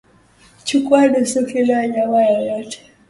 Chukua nusu kilo ya nyama yoyote